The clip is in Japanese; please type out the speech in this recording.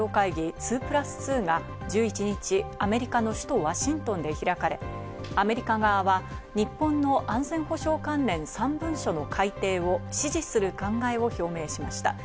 ２プラス２が１１日、アメリカの首都ワシントンで開かれ、アメリカ側が日本の安全保障関連３文書の改定を支持する考えを表明しました。